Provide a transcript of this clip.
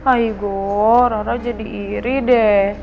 aigoo rara jadi iri deh